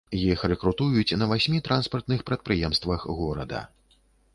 Іх рэкрутуюць на васьмі транспартных прадпрыемствах горада.